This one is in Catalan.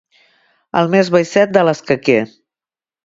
El més baixet de l'escaquer.